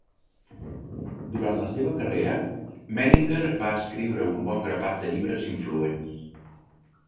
Durant la seva carrera, Menninger va escriure un bon grapat de llibres influents.